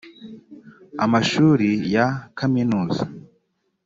amashuri ya kaminuza